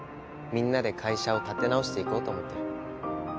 みんなで会社を立て直していこうと思ってる。